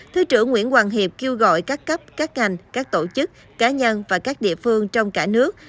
thứ trưởng nguyễn hoàng hiệp kêu gọi các cấp các ngành các tổ chức cá nhân và các địa phương trong cả nước